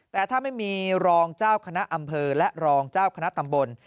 แต่ถ้าไม่มีรองเจ้าคณะอำเภอและรองเจ้าคณะตำบล